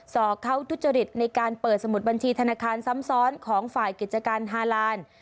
อกเขาทุจริตในการเปิดสมุดบัญชีธนาคารซ้ำซ้อนของฝ่ายกิจการฮาลาน